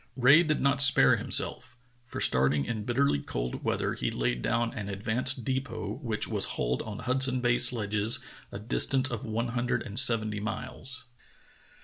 Rae did not spare himself, for starting in bitterly cold weather he laid down an advance depot which was hauled on Hudson Bay sledges a distance of one hun dred and seventy miles.